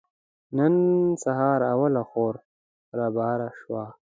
نن سهار اوله خور رابره شوه.